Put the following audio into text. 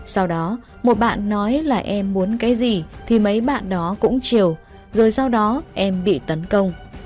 sau đó một bạn nói là em muốn cái gì thì mấy bạn đó cũng chiều rồi sau đó em bị tấn công